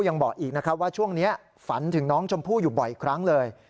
ยังบอกอีกนะครับว่าช่วงนี้ฝันถึงน้องชมพู่อยู่บ่อยครั้งเลย